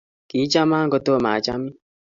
kiichama ko tomo achamin